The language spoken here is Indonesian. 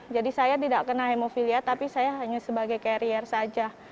jadi saya tidak kena hemofilia tapi saya hanya sebagai karier saja